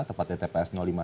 tempatnya tps lima puluh satu